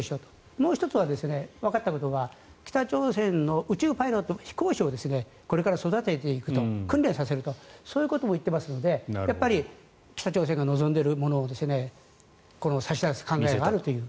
もう１つ、わかったことは北朝鮮の宇宙パイロット、飛行士をこれから育てていくと訓練させるとも言っていますのでやっぱり北朝鮮が望んでいるものを差し出す考えがあるという。